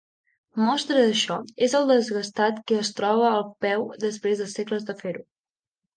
Mostra d'això és el desgastat que es troba el peu després de segles de fer-ho.